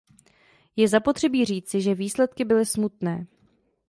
Je zapotřebí říci, že výsledky byly smutné.